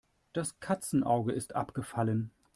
Das Katzenauge ist abgefallen.